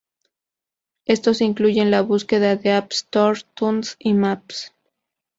Estos incluyen la búsqueda de App Store, iTunes y Maps.